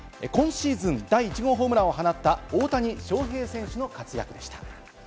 今シーズン第１号ホームランを放った大谷翔平選手の活躍でした。